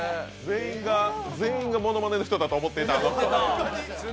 全員がものまねの人だと思っていた。